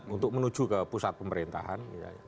untuk menuju ke pusat pemerintahan